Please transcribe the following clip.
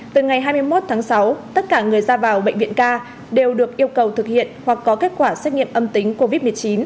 từ ngày hai mươi một tháng sáu tất cả người ra vào bệnh viện ca đều được yêu cầu thực hiện hoặc có kết quả xét nghiệm âm tính covid một mươi chín